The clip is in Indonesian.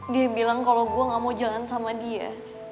dia bilang kalau gue gak mau jalan sama dia